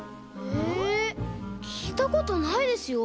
えきいたことないですよ。